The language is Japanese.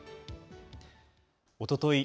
おととい